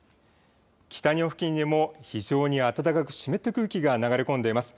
北日本付近でも非常に暖かく湿った空気が流れ込んでいます。